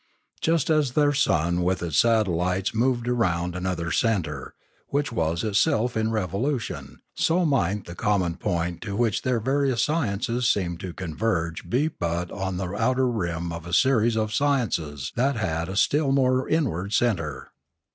Just as their sun with its satellites moved round another centre, which was itself in revolution, so might the common point to which their various sciences seemed to converge be but on the outer rim of a series of sciences that had a still more in ward centre.